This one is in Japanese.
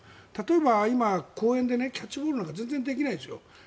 例えば今、公園でキャッチボールなんか全然できないですよ。